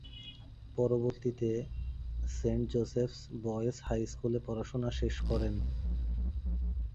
পরবর্তীতে Saint Joseph's Boys High স্কুলে পড়াশোনা শেষ করেন।